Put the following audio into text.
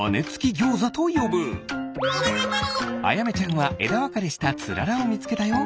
あやめちゃんはえだわかれしたつららをみつけたよ。